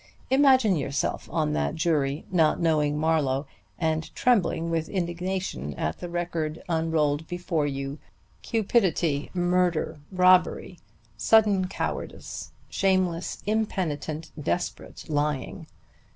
Imagine yourself on that jury, not knowing Marlowe, and trembling with indignation at the record unrolled before you cupidity, murder, robbery, sudden cowardice, shameless, impenitent, desperate lying!